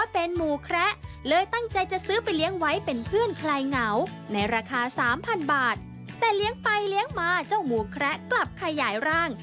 ไปติดตามได้จากรายงาน